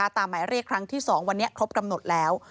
หมายเรียกครั้งที่๒วันนี้ครบกำหนดแล้ว